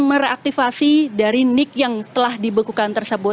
mereaktivasi dari nik yang telah dibekukan tersebut